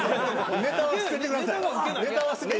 ネタは捨ててください。